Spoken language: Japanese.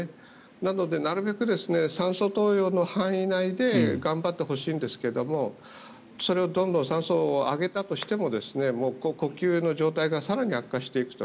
なのでなるべく酸素投与の範囲内で頑張ってほしいんですけどそれをどんどん酸素を上げたとしてももう呼吸の状態が更に悪化していくと。